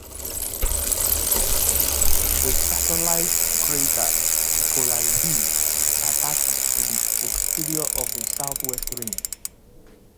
The satellite crater Nicolai B is attached to the exterior of the southwest rim.